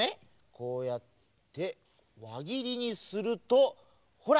こうやってわぎりにするとほら！